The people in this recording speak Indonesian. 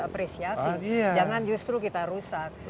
apresiasi jangan justru kita rusak